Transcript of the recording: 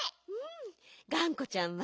がんこちゃんはどう？